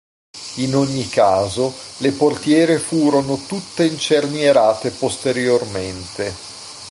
In ogni caso, le portiere furono tutte incernierate posteriormente.